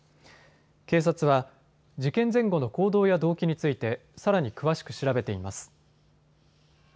警察は事件前後の行動や動機についてさらに詳しく調べています。